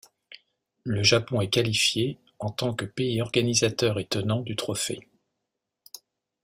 Le Japon est qualifié en tant que pays organisateur et tenant du trophée.